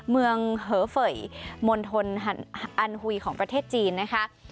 เมืองเหฝ่มนธนอันหุยของประเทศจีนนะคะ